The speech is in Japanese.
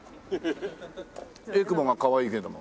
えくぼがかわいいけども。